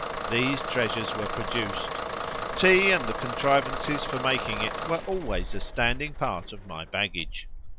These treasures were produced. Tea and the contrivances for making it were always a standing part of my baggage.